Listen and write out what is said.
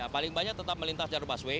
paling banyak tetap melintas jalur busway